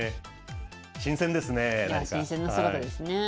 新鮮な姿ですね。